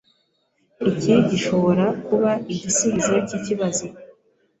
Iki gishobora kuba igisubizo cyikibazo.